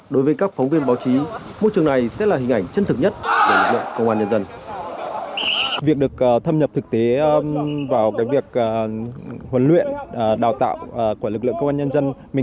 đối với các phóng viên báo chí môi trường này sẽ là hình ảnh chân thực nhất của lực lượng công an nhân dân